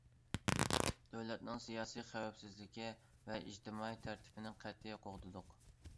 دۆلەتنىڭ سىياسىي خەۋپسىزلىكى ۋە ئىجتىمائىي تەرتىپىنى قەتئىي قوغدىدۇق.